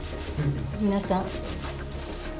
皆さん。